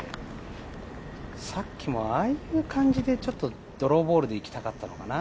さっきもああいう感じで、ちょっとドローボールでいきたかったのかな。